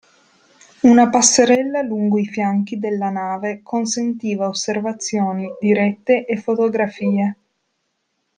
Una passerella lungo i fianchi della nave consentiva osservazioni dirette e fotografie.